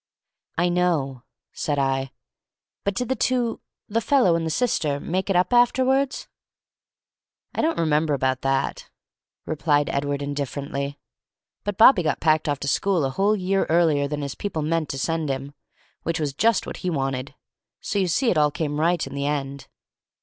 "I know," said I. "But did the two the fellow and the sister make it up afterwards?" "I don't remember about that," replied Edward, indifferently; "but Bobby got packed off to school a whole year earlier than his people meant to send him, which was just what he wanted. So you see it all came right in the end!"